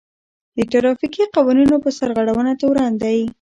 د ټرافيکي قوانينو په سرغړونه تورن دی.